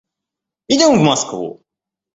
Идем в Москву!